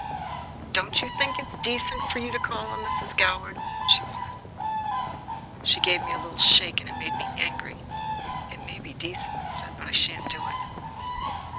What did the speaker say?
"Don't you think it's decent for you to call on Mrs. Goward?" she asked. She gave me a little shake. It made me angry. "It may be decent," I said, "but I sha'n't do it."